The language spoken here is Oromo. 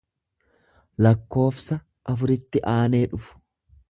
lakkoofsa afuritti aanee dhufu.